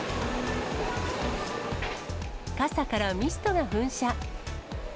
傘からミストが噴射。